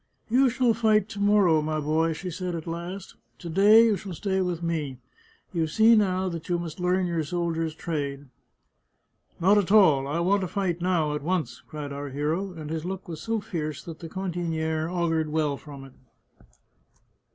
" You shall fight to morrow, my boy," she said at last. " To day you shall stay with me. You see now that you must learn your soldier's trade." " Not at all. I want to fight now, at once," cried our hero, and his look was so fierce that the cantiniere augured well from it.